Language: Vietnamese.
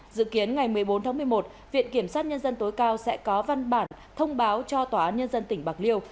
dự kiến ngày một mươi bốn tháng một mươi một viện kiểm sát nhân dân tối cao sẽ có văn bản thông báo cho tòa án nhân dân tỉnh bạc liêu